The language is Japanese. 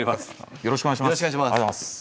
よろしくお願いします。